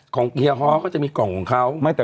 ของอย่าฮอกก็จะมีกล่องของเขา